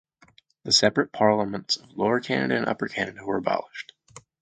The separate parliaments of Lower Canada and Upper Canada were abolished.